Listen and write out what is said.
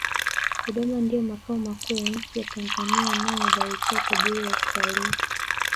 dodoma ndiyo makao makuu ya nchi ya tanzania nayo imebarikiwa utajiri wa utalii